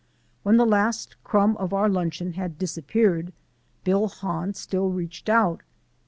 When the last crumb of our lunch had disappeared Bill Hahn still reached out.